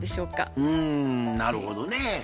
うんなるほどね。